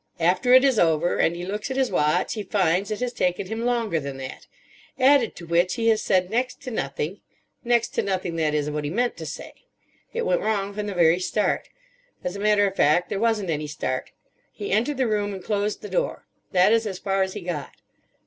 After it is over, and he looks at his watch, he finds it has taken him longer than that. Added to which he has said next to nothing—next to nothing, that is, of what he meant to say. It went wrong from the very start. As a matter of fact there wasn't any start. He entered the room and closed the door. That is as far as he got.